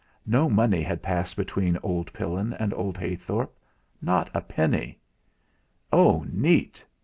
No money had passed between old Pillin and old Heythorp not a penny. Oh! neat!